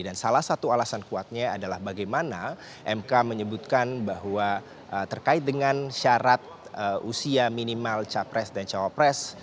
dan salah satu alasan kuatnya adalah bagaimana mk menyebutkan bahwa terkait dengan syarat usia minimal capres dan cowopres